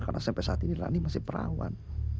karena sampai saat ini rani masih perawan